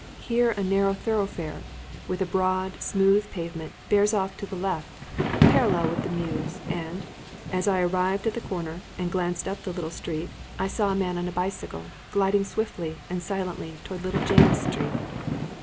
Here a narrow thoroughfare, with a broad, smooth pavement, bears off to the left, parallel with the mews, and, as I arrived at the corner and glanced up the little street, I saw a man on a bicycle gliding swiftly and silently towards Little James' Street.